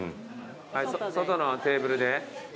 外のテーブルで。